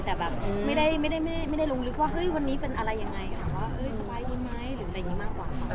แต่แบบไม่ได้ลงลึกว่าเฮ้ยวันนี้เป็นอะไรยังไงถามว่าสบายดีไหมหรืออะไรอย่างนี้มากกว่าค่ะ